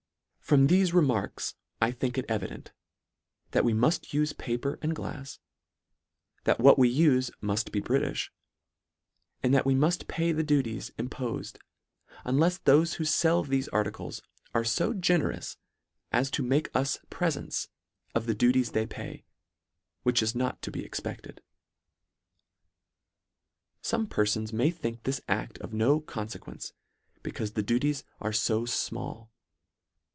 From thefe remarks I think it evident, that we rauft ufe paper and glafs, that what we ufe muft be Britijh, and that we muft pay the duties impofed unlefs thofe who fell thefe articles are fo generous as to make us prefents of the duties they pay, which is not to be expecled. Some perfons may think this acT: of no con fequence, becaufe the duties are fo J mall.